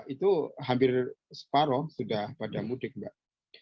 itu hampir separoh sudah pada mudik mbak